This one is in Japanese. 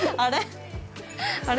あれ？